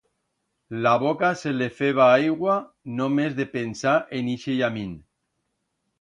La boca se le feba aigua només de pensar en ixe llamín.